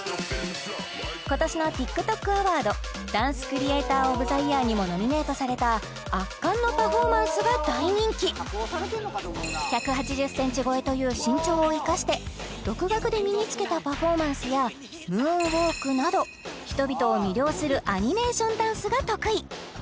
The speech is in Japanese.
今年のＴｉｋＴｏｋＡｗａｒｄｓＤａｎｃｅＣｒｅａｔｏｒｏｆｔｈｅＹｅａｒにもノミネートされた圧巻のパフォーマンスが大人気１８０ｃｍ超えという身長を生かして独学で身につけたパフォーマンスやムーンウォークなど人々を魅了するアニメーションダンスが得意